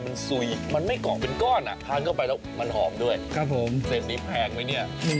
รู้สึกได้ว่ามันโถที่นี่ไม่เหมือนที่อื่น